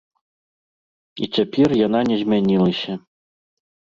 І цяпер яна не змянілася.